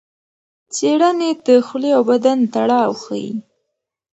څېړنې د خولې او بدن تړاو ښيي.